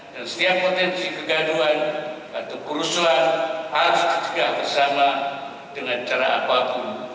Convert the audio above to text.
dan setiap potensi kegaduhan atau kerusuhan harus terjaga bersama dengan cara apapun